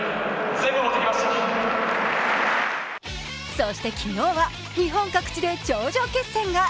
そして昨日は日本各地で頂上決戦が。